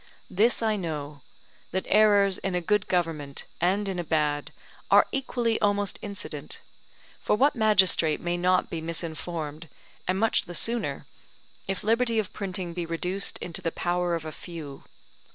This I know, that errors in a good government and in a bad are equally almost incident; for what magistrate may not be misinformed, and much the sooner, if liberty of printing be reduced into the power of a few?